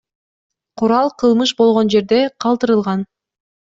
Курал кылмыш болгон жерде калтырылган.